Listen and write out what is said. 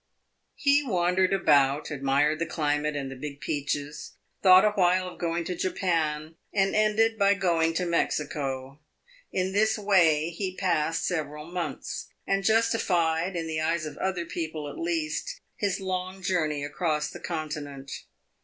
He wandered about, admired the climate and the big peaches, thought a while of going to Japan, and ended by going to Mexico. In this way he passed several months, and justified, in the eyes of other people at least, his long journey across the Continent.